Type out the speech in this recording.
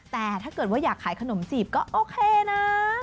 แต่ถ้าเกิดว่าอยากขายขนมจีบก็โอเคนะ